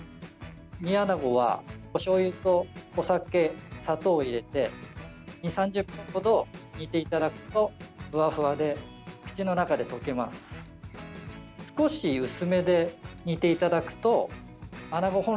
煮アナゴは、おしょうゆとお酒砂糖を入れて２０３０分ほど煮ていただくとふわふわで、口の中でとけます。